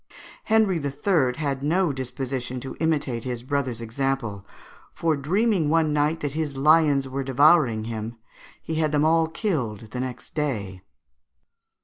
Henry III. had no disposition to imitate his brother's example; for dreaming one night that his lions were devouring him, he had them all killed the next day.